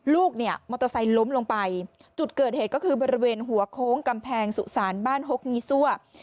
ลูกเนี่ยมอเตอร์ไซค์ล้มลงไปจุดเกิดเหตุก็คือบริเวณหัวโค้งกำแพงสุสานบ้านฮกงี่ซั่ว